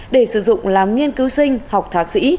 để sử dụng làm nghiên cứu sinh học thạc sĩ